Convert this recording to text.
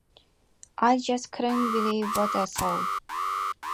I just couldn't believe what I saw.